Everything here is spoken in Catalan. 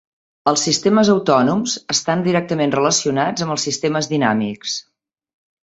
Els sistemes autònoms estan directament relacionats amb els sistemes dinàmics.